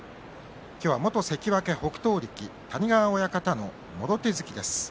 元関脇北勝力、谷川親方のもろ手突きです。